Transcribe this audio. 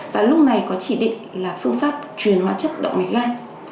và lúc này có chỉ định là phương pháp truyền hóa chất động mạch gan